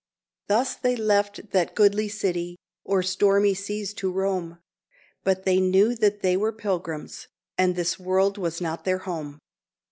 "Thus they left that goodly city," o'er stormy seas to roam; "But they knew that they were pilgrims," and this world was not their home.